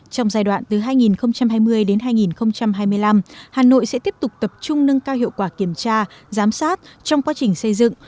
trong giai đoạn từ hai nghìn hai mươi đến hai nghìn hai mươi năm hà nội sẽ tiếp tục tập trung nâng cao hiệu quả kiểm tra giám sát trong quá trình xây dựng